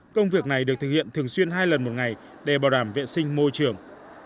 công việc này được thực hiện thường xuyên hai lần một ngày để bảo đảm vệ sinh môi trường